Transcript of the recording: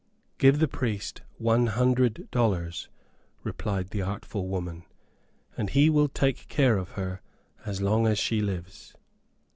"Give the priest one hundred dollars," replied the artful woman, "and he will take good care of her as long as she lives."